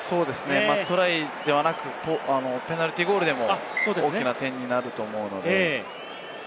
トライでなくても、ペナルティーゴールでも大きな点になると思うので。